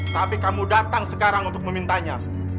tapi kamu datang sekarang untuk memintanya